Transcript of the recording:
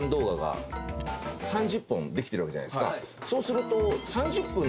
そうすると。